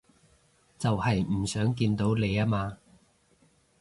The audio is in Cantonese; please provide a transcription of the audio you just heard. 就係唔想見到你吖嘛